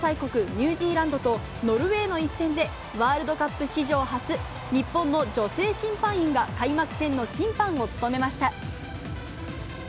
ニュージーランドとノルウェーの一戦で、ワールドカップ史上初、日本の女性審判員が開幕戦の審判を務めました。